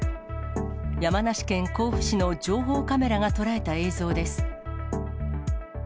山梨県甲府市の情報カメラが捉えた映像です。